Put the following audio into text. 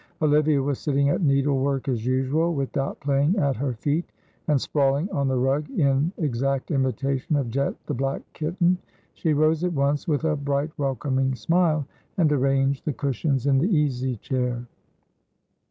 Olivia was sitting at needlework as usual, with Dot playing at her feet, and sprawling on the rug in exact imitation of Jet the black kitten; she rose at once with a bright, welcoming smile, and arranged the cushions in the easy chair.